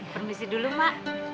permisi dulu mak